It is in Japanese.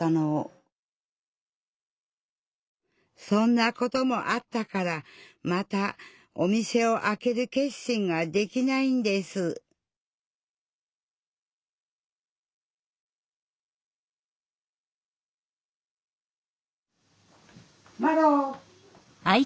そんなこともあったからまたお店をあける決心ができないんですまろ。